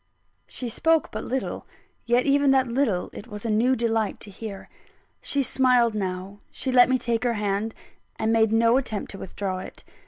She spoke but little; yet even that little it was a new delight to hear. She smiled now; she let me take her hand, and made no attempt to withdraw it.